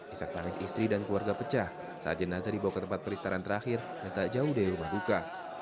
isak tangis istri dan keluarga pecah saat jenazah dibawa ke tempat peristaran terakhir yang tak jauh dari rumah duka